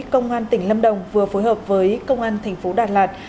công an tỉnh lâm đồng vừa phối hợp với công an tp đà lạt